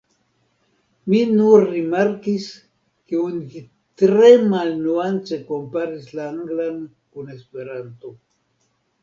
Mi nur rimarkis ke oni tre malnuance komparis la anglan kun esperanto.